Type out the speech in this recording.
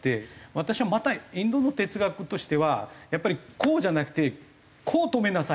私はまたインドの哲学としてはやっぱりこうじゃなくてこう止めなさいと。